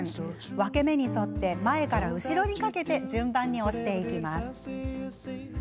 分け目に沿って前から後ろにかけて順番に押していきます。